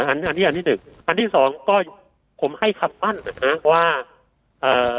อันนี้อันที่อันที่หนึ่งอันที่สองก็ผมให้คำมั่นนะฮะว่าเอ่อ